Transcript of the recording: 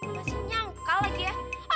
masih nyangkal lagi ya